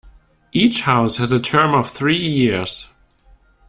Each house has a term of three years.